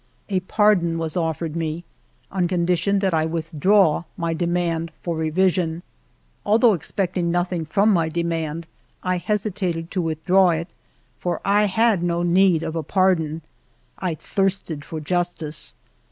A pardon was offered me, on condition that I withdraw my demand for revision. Although expecting nothing from my demand, I hesitated ALFRED DREYFUS 309 to withdraw it, for I had no need of pardon. I thirsted for justice.